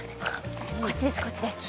こっちですこっちです